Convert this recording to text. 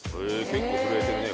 結構震えてるね